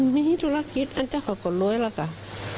มีธุรกิจอันเจ้าก็กว่าร้อยแล้วกัน